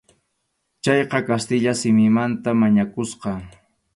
Chayqa kastilla simimanta mañakusqa.